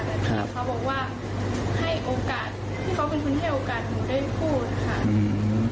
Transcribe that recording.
แต่ถ้าเขาบอกว่าให้โอกาสที่เขาเป็นคนให้โอกาสหนูได้พูดค่ะ